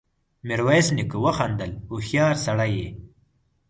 ميرويس نيکه وخندل: هوښيار سړی يې!